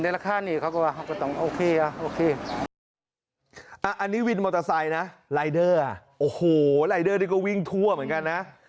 ไลเดอร์โอ้โหไลเดอร์นี่ก็วิ่งทั่วเหมือนกันนะ